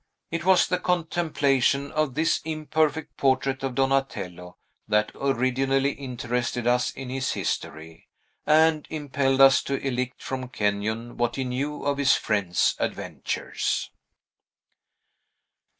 It was the contemplation of this imperfect portrait of Donatello that originally interested us in his history, and impelled us to elicit from Kenyon what he knew of his friend's adventures.